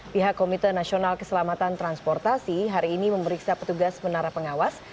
pihak komite nasional keselamatan transportasi hari ini memeriksa petugas menara pengawas